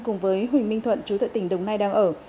cùng với huỳnh minh thuận chú tại tỉnh đồng nai đang ở